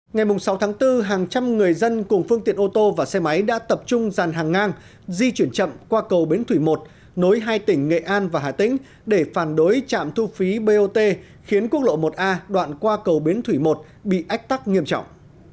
ngày sáu tháng bốn hàng trăm người dân cùng phương tiện ô tô và xe máy đã tập trung dàn hàng ngang di chuyển chậm qua cầu bến thủy một nối hai tỉnh nghệ an và hà tĩnh để phản đối trạm thu phí bot khiến quốc lộ một a đoạn qua cầu bến thủy một bị ách tắc nghiêm trọng